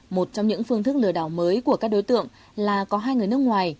một trong những phương thức lừa đảo mới của các đối tượng là có hai người nước ngoài